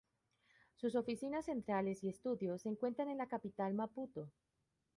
Sus oficinas centrales y estudios se encuentran en la capital, Maputo.